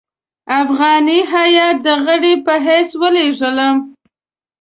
افغاني هیات د غړي په حیث ولېږلم.